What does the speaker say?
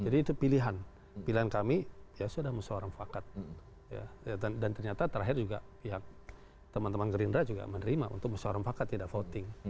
dan ternyata terakhir juga pihak teman teman gerindra juga menerima untuk masyarakat tidak voting